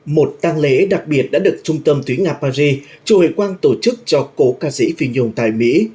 một tăng lễ đặc biệt đã được trung tâm thúy ngạc paris chủ hội quang tổ chức cho cố ca sĩ phi nhung tại mỹ